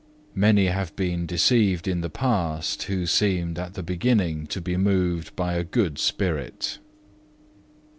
Many have been deceived at the last, who seemed at the beginning to be moved by a good spirit.